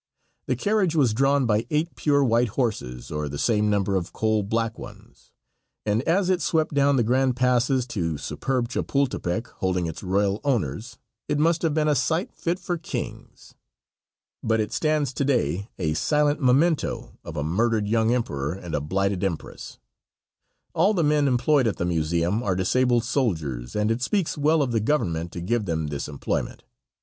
The carriage was drawn by eight pure white horses or the same number of coal black ones, and as it swept down the grand passes to superb Chapultepec, holding its royal owners, it must have been a sight fit for kings. But it stands to day a silent memento of a murdered young emperor and a blighted empress. All the men employed at the museum are disabled soldiers, and it speaks well of the government to give them this employment.